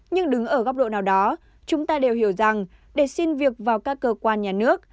nhưng đứng ở góc độ nào đó chúng ta đều hiểu rằng để xin việc vào các cơ quan nhà nước